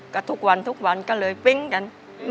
ก็ทุกวันทุกวันก็เลยปิ๊งกัน